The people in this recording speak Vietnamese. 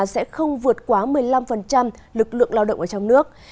sẽ không vượt quá một mươi năm lực lượng lao động ở trong nước